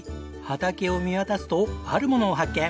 畑を見渡すとあるものを発見！